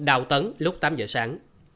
đào tấn lúc tám giờ sáng